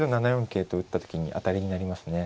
桂と打った時に当たりになりますね。